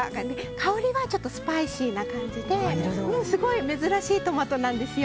香りはスパイシーな感じですごい珍しいトマトなんですよ。